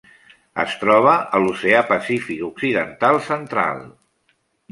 Es troba a l'Oceà Pacífic occidental central: